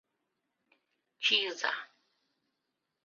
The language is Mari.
— Чийыза.